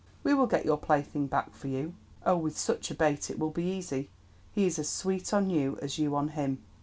We will get your plaything back for you. Oh, with such a bait it will be easy. He is as sweet on you as you on him."